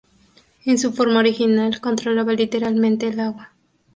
En su forma original, controlaba literalmente el agua.